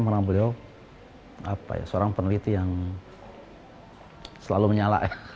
kalau secara personal saya merang beliau seorang peneliti yang selalu menyala